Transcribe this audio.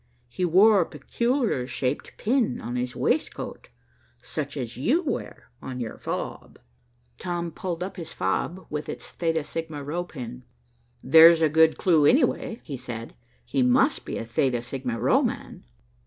"He wore a peculiar shaped pin on his waistcoat, such as you wear on your fob." Tom pulled up his fob with its Theta Sigma Rho pin. "There's a good clue, anyway," he said. "He must be a Theta Sigma Rho man."